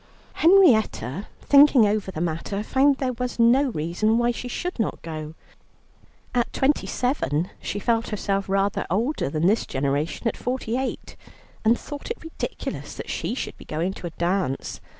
Henrietta, thinking over the matter, found there was no reason why she should not go. At twenty seven she felt herself rather older than this generation at forty eight, and thought it ridiculous that she should be going to a dance.